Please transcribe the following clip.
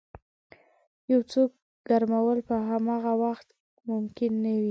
یو څوک ګرمول په همغه وخت ممکن نه وي.